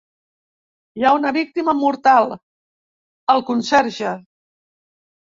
Hi ha una víctima mortal, el conserge.